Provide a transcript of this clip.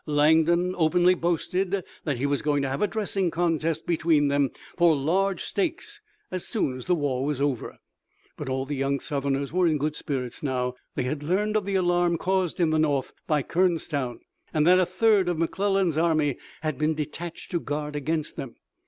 Langdon openly boasted that he was going to have a dressing contest between them for large stakes as soon as the war was over. But all the young Southerners were in good spirits now. They had learned of the alarm caused in the North by Kernstown, and that a third of McClellan's army had been detached to guard against them.